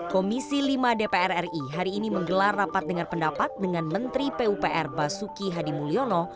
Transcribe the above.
komisi lima dpr ri hari ini menggelar rapat dengan pendapat dengan menteri pupr basuki hadimulyono